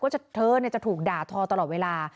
เธอจะถูกด่าทอตลอดเวลา